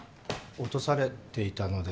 落とされていたので。